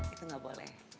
itu gak boleh